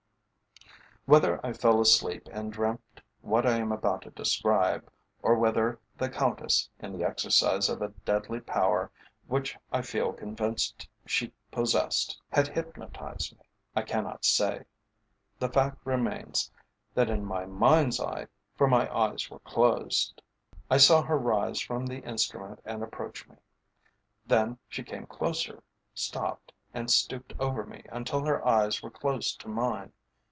Whether I fell asleep and dreamt what I am about to describe, or whether the Countess, in the exercise of a deadly power which I feel convinced she possessed, had hypnotized me, I cannot say. The fact remains, that in my mind's eye, for my eyes were closed, I saw her rise from the instrument and approach me. Then, she came closer, stopped, and stooped over me until her eyes were close to mine.